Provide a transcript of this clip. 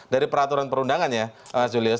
dari peraturan perundangan ya mas julius